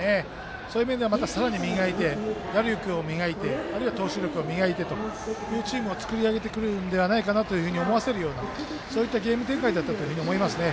そういう意味ではさらに磨いて、打力を磨いてあるいは投手力を磨いてというチームを作ってくるのではないかと思わせるような、そういったゲーム展開だったと思いますね。